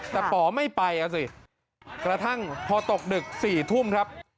แต่ป๋อไม่ไปอ่ะสิกระทั่งพอตกดึก๔ทุ่มครับ